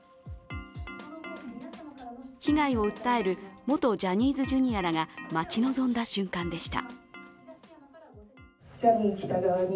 被害を訴える元ジャニーズＪｒ．らが待ち望んだ瞬間でした。